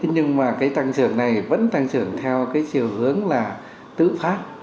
nhưng mà cái tăng trưởng này vẫn tăng trưởng theo cái chiều hướng là tự phát